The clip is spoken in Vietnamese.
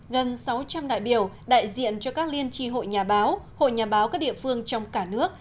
gần sáu trăm linh đại biểu đại diện cho các liên tri hội nhà báo hội nhà báo các địa phương trong cả nước